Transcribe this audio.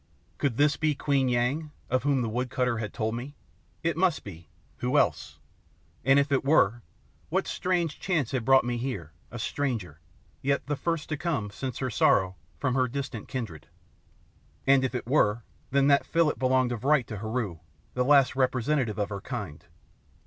Could this be Queen Yang, of whom the woodcutter had told me? It must be who else? And if it were, what strange chance had brought me here a stranger, yet the first to come, since her sorrow, from her distant kindred? And if it were, then that fillet belonged of right to Heru, the last representative of her kind.